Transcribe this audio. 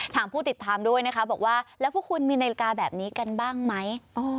ผู้ติดตามด้วยนะคะบอกว่าแล้วพวกคุณมีนาฬิกาแบบนี้กันบ้างไหม